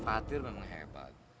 fatir memang hebat